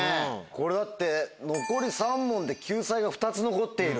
これだって残り３問で救済が２つ残っている。